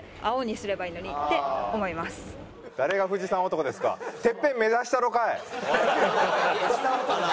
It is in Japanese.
誰が富士山男ですか。